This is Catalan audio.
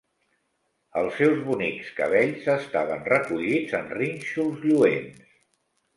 Els seus bonics cabells estaven recollits en rínxols lluents.